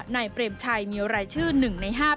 หน่ายเปรมชัยมีรายชื่อหนึ่งในห้า